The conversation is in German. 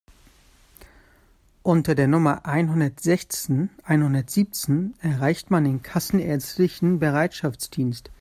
Unter der Nummer einhundertsechzehn einhundertsiebzehn erreicht man den kassenärztlichen Bereitschaftsdienst.